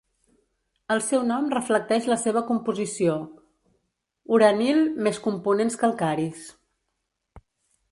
El seu nom reflecteix la seva composició: uranil més components calcaris.